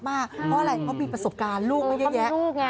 เพราะอะไรก็มีประสบการณ์ลูกมาเยอะ